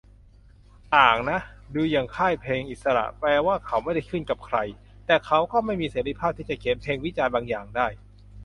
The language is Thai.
ต่างนะ ดูอย่างค่ายเพลงอิสระ แปลว่าเขาไม่ได้ขึ้นกับใคร แต่เขาก็ไม่มีเสรีภาพที่จะเขียนเพลงวิจารณ์บางอย่างได้